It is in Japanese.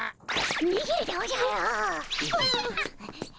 にげるでおじゃる。